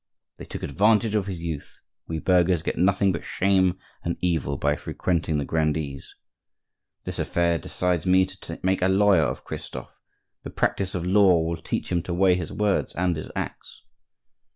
—"They took advantage of his youth; we burghers get nothing but shame and evil by frequenting the grandees."—"This affair decides me to make a lawyer of Christophe; the practice of law will teach him to weigh his words and his acts."